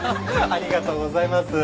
ありがとうございます。